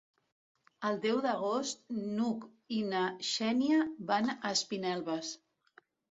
El deu d'agost n'Hug i na Xènia van a Espinelves.